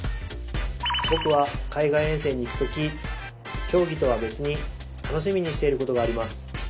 僕は海外遠征に行く時競技とは別に楽しみにしていることがあります。